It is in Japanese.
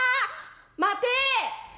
「待て。